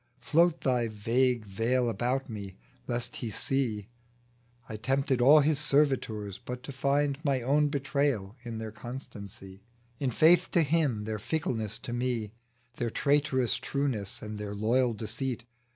Float thy vague veil about me, lest He see I I tempted all his servitors, but to find My own betrayal in their constancy, In faith to Him their fickleness to me, Their traitorous trueness and their loyal deceit.